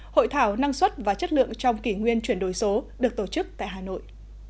hội thảo năng suất và chất lượng trong kỷ nguyên chuyển đổi số được tổ chức tại hà nội